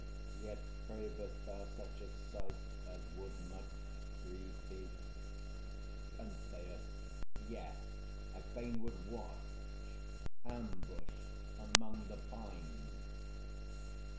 Yet cravest thou such A sight as would much grieve thee? PENTHEUS. Yes; I fain Would watch, ambushed among the pines.